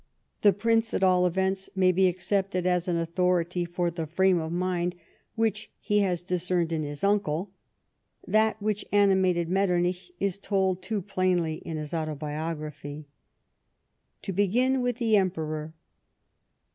The Prince, at all events., may be accepted as an authority for the frame of mind which he has discerned in his uncle. That which animated Metternich is told too |;lainly iu his Autobiography. To begin with the Emperor.